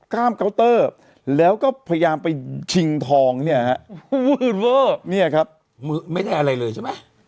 กล้ามกาวเตอร์แล้วก็พยายามไปชิงทองเนี้ยฮะเนี้ยครับไม่ได้อะไรเลยใช่ไหม